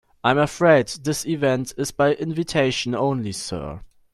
I'm afraid this event is by invitation only, sir.